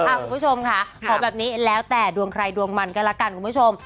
คุณผู้ชมค่ะขอแบบนี้แล้วแต่ดวงใครดวงมันก็ละกันคุณผู้ชม